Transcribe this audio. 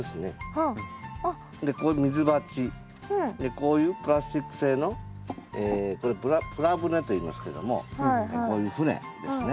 こういうプラスチック製のプラ舟といいますけれどもこういう舟ですね。